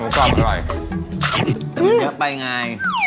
แต่มีเยอะไปไง